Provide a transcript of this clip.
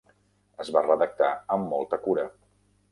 Es va redactar amb molta cura.